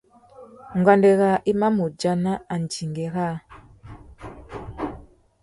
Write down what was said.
Nguêndê râā i mà mù udjana andingui râā.